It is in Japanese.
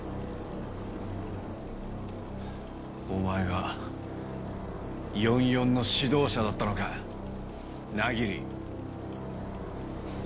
お前が４４の指導者だったのか百鬼。